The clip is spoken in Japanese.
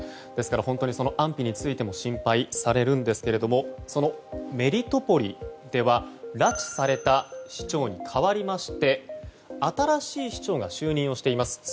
ですから本当に安否についても心配されるんですけどもそのメリトポリでは拉致された市長に代わりまして新しい市長が就任をしています。